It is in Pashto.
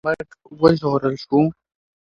ایا موږ له مرګه وژغورل شوو؟